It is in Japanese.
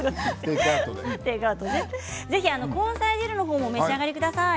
ぜひ根菜汁の方もお召し上がりください。